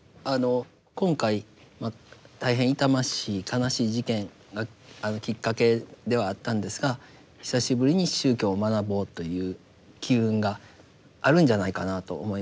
今回大変痛ましい悲しい事件がきっかけではあったんですが久しぶりに宗教を学ぼうという機運があるんじゃないかなと思います。